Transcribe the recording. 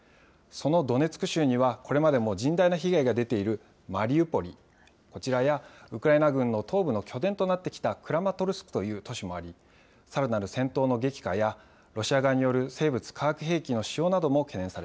そのドネツク州には、これまでも甚大な被害が出ているマリウポリ、こちらやウクライナ軍の東部の拠点となってきたクラマトルスクという都市もあり、さらなる戦闘の激化や、ロシア側による生物・化